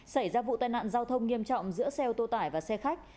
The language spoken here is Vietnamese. xảy ra vụ tai nạn giao thông nghiêm trọng giữa xe ô tô tải và xe khách